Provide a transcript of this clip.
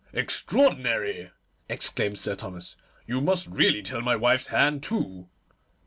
'Extraordinary!' exclaimed Sir Thomas; 'you must really tell my wife's hand, too.